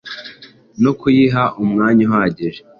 no kuyiha umwanya uhagije